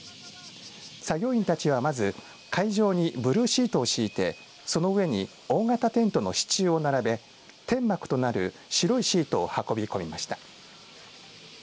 作業員たちはまず会場にブルーシートを敷いてその上に大型テントの支柱を並べ天幕となる白いシートを運び込みました。